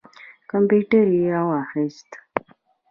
کمپیوټر یې را واخیست.